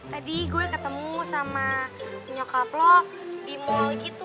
tadi gue ketemu sama nyokap lo di mall gitu